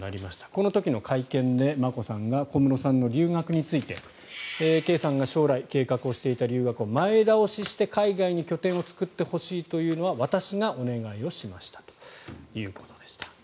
この時の会見で眞子さんが小室さんの留学について圭さんが将来計画していた留学を前倒しして海外に拠点を作ってほしいというのは私がお願いをしましたということでした。